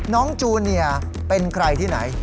จูเนียเป็นใครที่ไหน